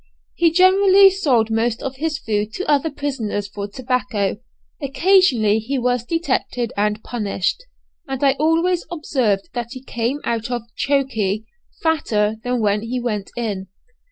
He generally sold most of his food to other prisoners for tobacco; occasionally he was detected and punished, and I always observed that he came out of 'Chokey' fatter than when he went in.